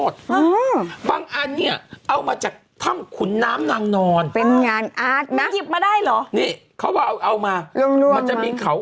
ด้วยเอามาจากไหนเหรอ